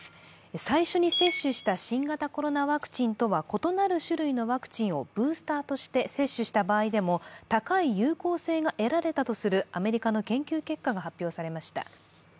最初に接種した新型コロナワクチンとは異なる種類のワクチンをブースターとして接種した場合でも高い有効性が得られたとするアメリカの研究結果が発表されました。